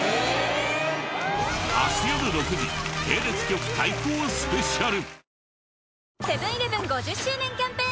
明日よる６時系列局対抗スペシャル。